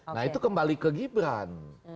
nah itu kembali ke gibran